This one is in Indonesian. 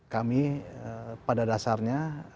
kami pada dasarnya